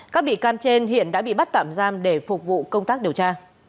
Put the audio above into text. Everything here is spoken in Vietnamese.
các bị can trên hiện đã bị bắt tạm giam để phục vụ công tác điều tra